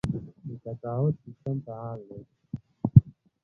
د تقاعد سیستم فعال دی؟